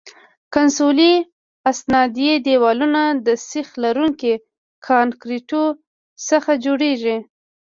کنسولي استنادي دیوالونه د سیخ لرونکي کانکریټو څخه جوړیږي